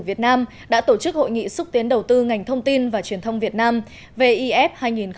việt nam đã tổ chức hội nghị xúc tiến đầu tư ngành thông tin và truyền thông việt nam vif hai nghìn một mươi chín